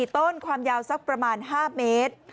ต้นความยาวสักประมาณ๕เมตร